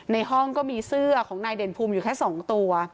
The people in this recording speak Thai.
ในห้องก็มีเสื้อของนายเด่นภูมิอยู่แค่๒ตัว